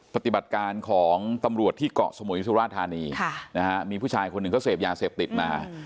ปฏิบัติการของตำรวจที่เกาะสมุยสุราธานีมีผู้ชายคนหนึ่งเขาเสพยาเสพติดมา